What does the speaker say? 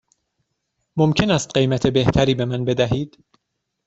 ممکن است قیمت بهتری به من بدهید؟